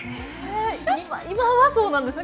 今はそうなんですね。